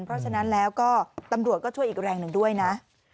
เพราะฉะนั้นแล้วก็ตำรวจก็ช่วยอีกแรงหนึ่งด้วยนะ